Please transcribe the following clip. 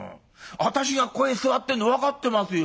私がここへ座ってんの分かってますよ。